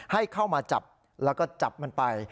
ให้เข้ามาจับแล้วก็จับมันไป